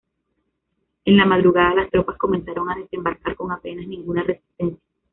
En la madrugada, las tropas comenzaron a desembarcar con apenas ninguna resistencia.